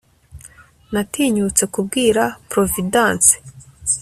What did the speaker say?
natinyutse kubwira providence